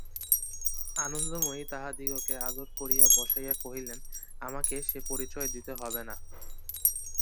আনন্দময়ী তাহাদিগকে আদর করিয়া বসাইয়া কহিলেন, আমাকে সে পরিচয় দিতে হবে না।